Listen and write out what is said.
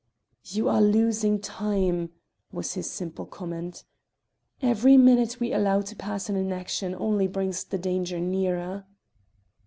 "You are losing time," was his simple comment. "Every minute we allow to pass in inaction only brings the danger nearer."